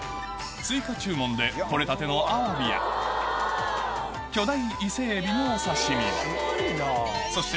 追加注文で採れたてのアワビや巨大伊勢海老のお刺し身もそして